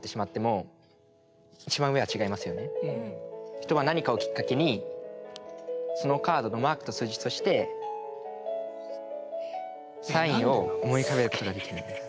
人は何かをきっかけにそのカードのマークと数字そしてサインを思い浮かべることができるんです。